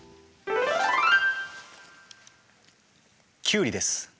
キュウリです。